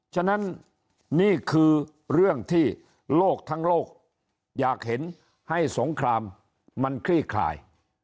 ฉะนั้นนี่คือเรื่องที่โลกทั้งโลกอยากเห็นให้สงครามมันคลี่คลาย